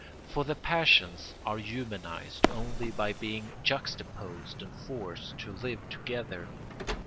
For the passions are humanised only by being juxtaposed and forced to live together.